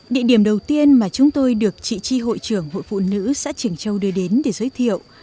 địa điểm đầu tiên mà chúng tôi được chị chi hội trưởng hội phụ nữ xã trường châu đưa đến để giới thiệu